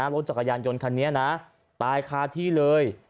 รถจักรยานยนต์คันนี้นะตายคาที่เลย